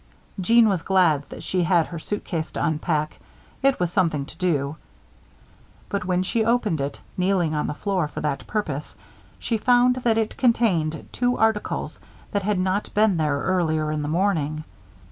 Jeanne was glad that she had her suitcase to unpack. It was something to do. But when she opened it, kneeling on the floor for that purpose, she found that it contained two articles that had not been there earlier in the morning.